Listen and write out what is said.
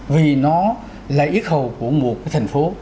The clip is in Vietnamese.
vì nó là yếu khẩu của một cái thành phố